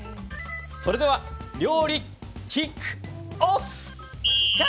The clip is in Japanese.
それでは料理、キックオフ！